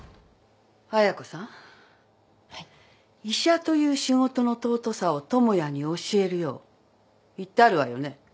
医者という仕事の尊さを智也に教えるよう言ってあるわよね。